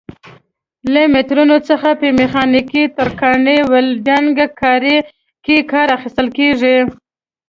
له مترونو څخه په میخانیکي، ترکاڼۍ، ولډنګ کارۍ کې کار اخیستل کېږي.